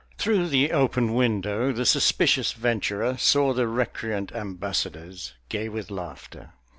Through the open window the suspicious venturer saw the recreant ambassadors, gay with laughter.